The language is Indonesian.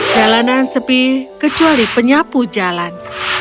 jalanan sepi kecuali penyapu jalan